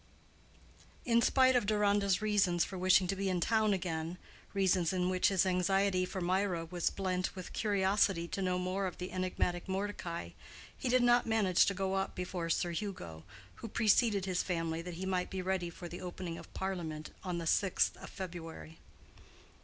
In spite of Deronda's reasons for wishing to be in town again—reasons in which his anxiety for Mirah was blent with curiosity to know more of the enigmatic Mordecai—he did not manage to go up before Sir Hugo, who preceded his family that he might be ready for the opening of Parliament on the sixth of February.